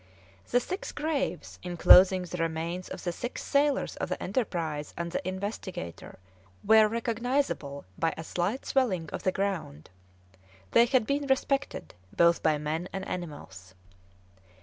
The six graves inclosing the remains of the six sailors of the Enterprise and the Investigator were recognisable by a slight swelling of the ground; they had been respected both by men and animals.